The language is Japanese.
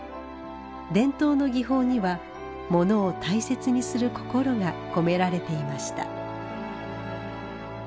伝統の技法にはモノを大切にする心が込められていました。